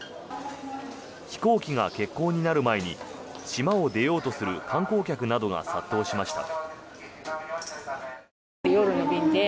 飛行機が欠航になる前に島を出ようとする観光客などが殺到しました。